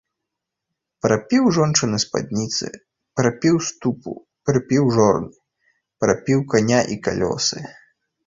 Прапіў жончыны спадніцы, прапіў ступу, прапіў жорны, прапіў каня і калёсы.